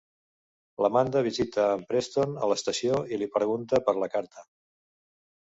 L'Amanda visita en Preston a l'estació i li pregunta per la carta.